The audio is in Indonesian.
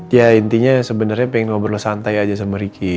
ya intinya sebenernya pengen ngobrol santai aja sama riki